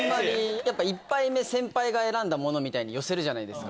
やっぱ１杯目、先輩が選んだものみたいに、寄せるじゃないですか。